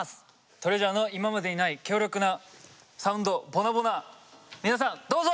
ＴＲＥＡＳＵＲＥの今までにない強力なサウンド皆さんどうぞ！